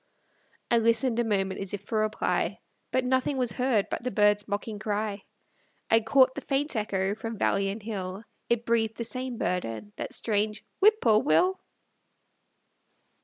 I listened a moment, as if for reply, But nothing was heard but the bird's mocking cry. I caught the faint echo from valley and hill; It breathed the same burden, that strange "Whip poor Will."